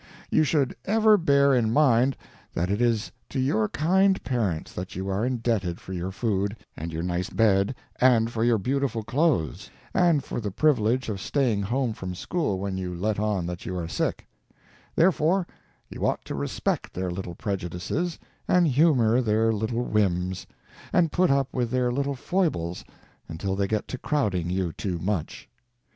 You should ever bear in mind that it is to your kind parents that you are indebted for your food, and for the privilege of staying home from school when you let on that you are sick. Therefore you ought to respect their little prejudices, and humor their little whims, and put up with their little foibles until they get to crowding you too much.